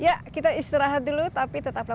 ya kita istirahat dulu tapi tetaplah